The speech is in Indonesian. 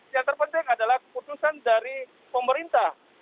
yang terpenting adalah keputusan dari pemerintah